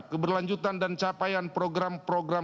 keberlanjutan dan capaian program program